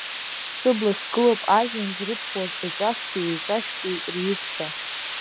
Сыбла ихгылоуп, ажәҩан зрыԥхуаз еҵәа ссеи еҵәа шәпеи рҩыԥса.